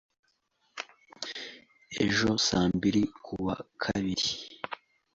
Ejo saa mbiri kuwa kabiri